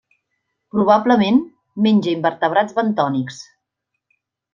Probablement menja invertebrats bentònics.